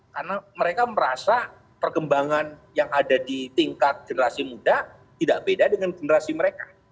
karena mereka merasa perkembangan yang ada di tingkat generasi muda tidak beda dengan generasi mereka